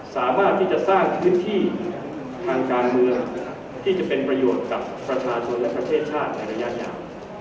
สามารถที่จะสร้างพื้นที่ทางการเมืองที่จะเป็นประโยชน์กับประชาชนและประเทศชาติในระยะยาว